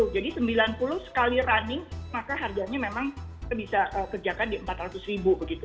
jadi sembilan puluh sekali running maka harganya memang kita bisa kerjakan di rp empat ratus begitu